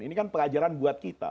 ini kan pelajaran buat kita